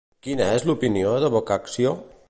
Quina és l'opinió de Boccaccio?